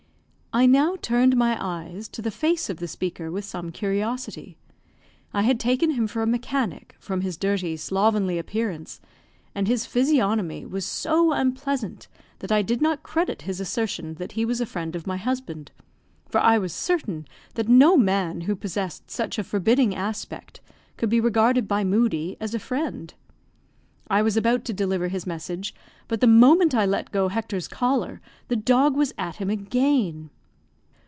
I now turned my eyes to the face of the speaker with some curiosity. I had taken him for a mechanic, from his dirty, slovenly appearance; and his physiognomy was so unpleasant that I did not credit his assertion that he was a friend of my husband, for I was certain that no man who possessed such a forbidding aspect could be regarded by Moodie as a friend. I was about to deliver his message, but the moment I let go Hector's collar, the dog was at him again.